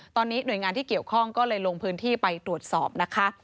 ตอนนี้หน่วยงานที่เกี่ยวข้องก็เลยลงพื้นที่ไปตรวจสอบนะคะ